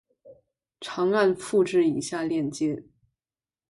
长按复制以下链接